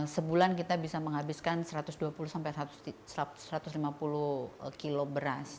sebulan kita bisa menghabiskan satu ratus dua puluh sampai satu ratus lima puluh kilo beras